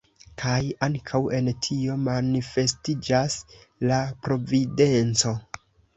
Kaj ankaŭ en tio manifestiĝas la Providenco.